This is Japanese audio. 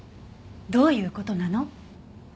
どういう事なの？